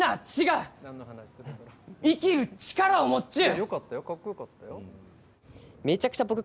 うん生きる力を持っちゅう！